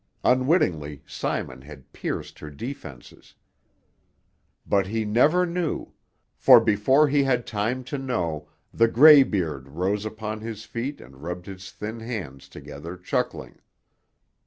Unwittingly Simon had pierced her defences. But he never knew, for before he had time to know the grey beard rose upon his feet and rubbed his thin hands together, chuckling.